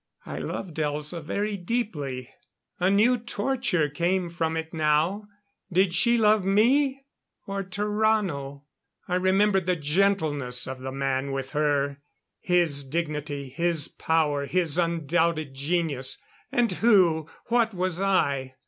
I loved Elza very deeply. A new torture came from it now. Did she love me or Tarrano? I remembered the gentleness of the man with her. His dignity, his power his undoubted genius. And who, what was I?